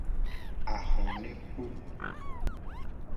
Ahonekpo.